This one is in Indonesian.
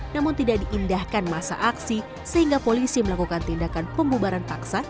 namun tidak diindahkan masa aksi sehingga polisi melakukan tindakan pembubaran paksa